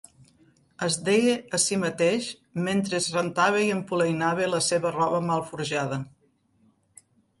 Es deia a si mateix mentre es rentava i empolainava la seva roba malforjada.